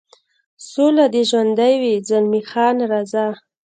سوله دې ژوندی وي، زلمی خان: راځه.